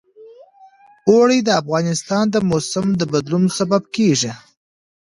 اوړي د افغانستان د موسم د بدلون سبب کېږي.